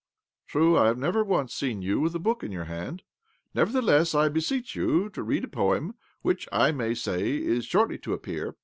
" True, I have never once seen you with a book in your hand. Nevertheless, I beseech you to read a poem which, I may say, is shortly to appear.